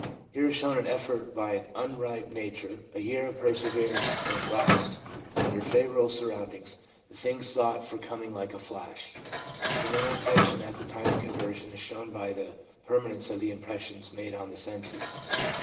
Here is shown an effort by an unripe nature, a year of perseverance, and at last, under favourable surround ings, the thing sought for coming like a flash. The mental tension at the time of conversion is shown by the permanence of the impressions made on the senses.